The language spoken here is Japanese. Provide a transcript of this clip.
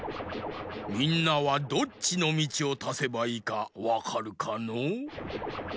みんなはどっちのみちをたせばいいかわかるかのう？